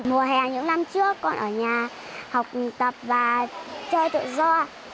mùa hè những năm trước con ở nhà học tập và chơi tự do